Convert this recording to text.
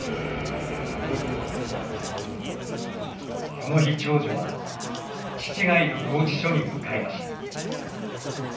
この日、長女は父がいる拘置所に向かいました。